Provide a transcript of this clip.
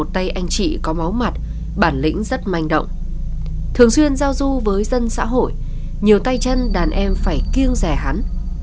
thường xuyên giao du với dân xã hội nhiều tay chân đàn em phải kiêng rẻ hắn